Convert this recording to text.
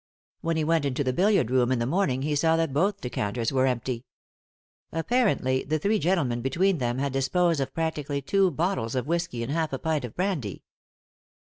When he went into the billiard room in the morning he saw that both decanters were empty. Apparently the three gentlemen between them had disposed of practically two bottles of whisky and half a pint of brandy.